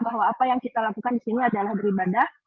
bahwa apa yang kita lakukan di sini adalah beribadah